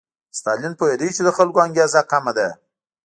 ستالین پوهېده چې د خلکو انګېزه کمه ده.